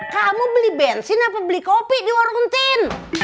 kamu beli bensin apa beli kopi di warung ten